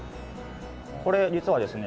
これ実はですね